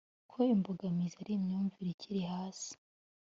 ko imbogamizi ari imyumvire ikiri hasi